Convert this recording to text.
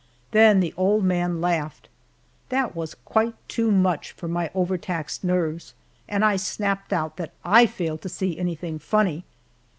Then that old man laughed. That was quite too much for my overtaxed nerves, and I snapped out that I failed to see anything funny.